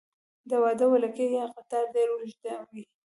د واده ولکۍ یا قطار ډیر اوږد وي.